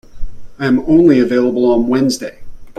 I am only available on Wednesday.